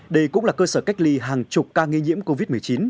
đây cũng là cơ sở cách ly hàng chục ca nghi nhiễm covid một mươi chín